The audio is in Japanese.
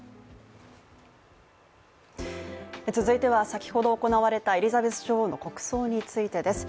続いては先ほど行われたエリザベス女王の国葬についてです。